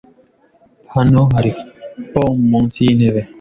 Hano hari pome munsi yintebe .